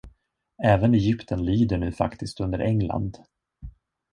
Även Egypten lyder nu faktiskt under England.